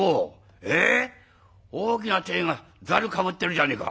え大きな鯛がザルかぶってるじゃねえか。